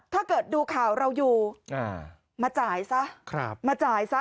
ถ้าเกิดดูข่าวเราอยู่มาจ่ายซะมาจ่ายซะ